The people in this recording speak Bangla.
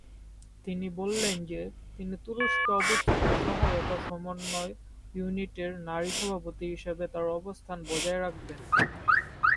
তিনি বলেন যে, তিনি তুরস্কে অবস্থিত সহায়তা সমন্বয় ইউনিটের নারী সভাপতি হিসাবে তার অবস্থান বজায় রাখবেন।